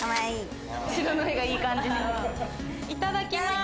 いただきます。